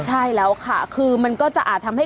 ใช่แล้วค่ะคือมันก็จะอาจทำให้